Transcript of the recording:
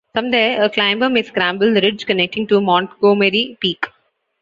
From there, a climber may scramble the ridge connecting to Montgomery Peak.